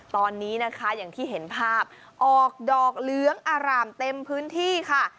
ตอนนี้นะคะอย่างที่เห็นภาพออกดอกเหลืองอร่ามเต็มพื้นที่ค่ะ